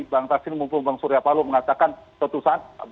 bang tasin mumpung bang surya palu mengatakan suatu saat